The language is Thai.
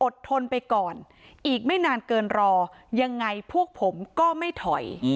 ทนไปก่อนอีกไม่นานเกินรอยังไงพวกผมก็ไม่ถอย